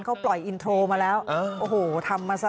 เขาปล่อยอินโทรมาแล้วโอ้โหทำมาซะ